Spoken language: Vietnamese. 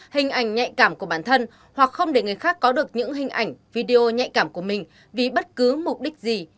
hình ảnh nhạy cảm của bản thân hoặc không để người khác có được những hình ảnh video nhạy cảm của mình vì bất cứ mục đích gì